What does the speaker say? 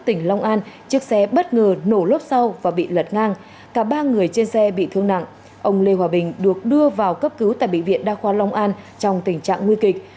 trong lúc sau và bị lật ngang cả ba người trên xe bị thương nặng ông lê hòa bình được đưa vào cấp cứu tại bệnh viện đà khoa long an trong tình trạng nguy kịch